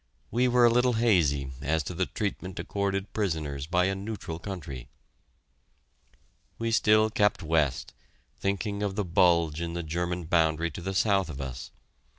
We were a little hazy as to the treatment accorded prisoners by a neutral country. We still kept west, thinking of the bulge in the German boundary to the south of us.